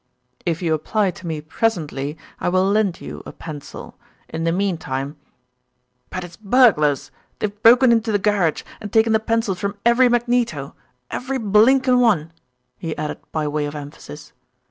"If you apply to me presently I will lend you a pencil. In the meantime " "But it's burglars. They've broken into the garage and taken the pencils from every magneto, every blinkin' one," he added by way of emphasis.